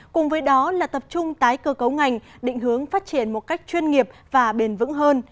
cùng với đó là tập trung tái cơ cấu ngành định hướng phát triển một cách chuyên nghiệp và bền vững hơn